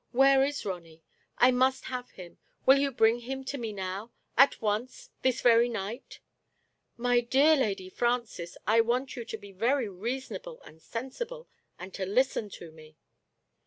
"Where is Ronny? I must have him. Will you bring him to me now — at once — ^this very night ?"" My dear Lady Francis, I want you to be very reasonable and sensible, and to listen to me."